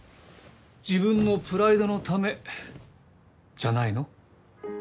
自分のプライドのためじゃないの？